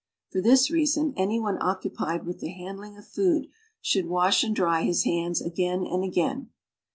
For this reason, anyone occupied with tlie handling of food should wa.sh and dry liis hands again and again.